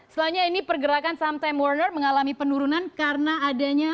selanjutnya ini pergerakan saham time warner mengalami penurunan karena adanya